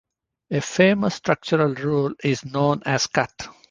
A famous structural rule is known as cut.